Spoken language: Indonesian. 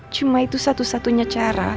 cuma itu satu satunya cara